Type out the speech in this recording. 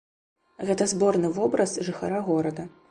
Гэта зборны вобраз жыхара горада.